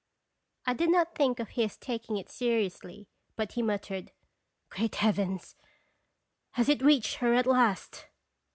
1 did not think of his taking it seriously ; but he muttered :" Great heavens ! has it reached her at last?"